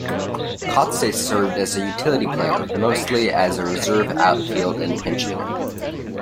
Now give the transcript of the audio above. Kotsay served as a utility player, mostly as a reserve outfield and pinch hitter.